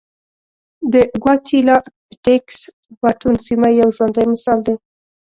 د ګواتیلا پټېکس باټون سیمه یو ژوندی مثال دی.